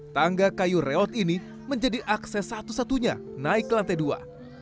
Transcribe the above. tangga kayu reot ini menjadi akses satu satunya naik ke lantai dua